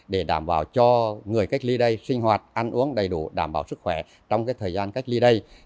để đảm bảo cho người cách ly đây sinh hoạt ăn uống đầy đủ đảm bảo sức khỏe trong thời gian cách ly đây